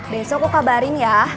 besok aku kabarin ya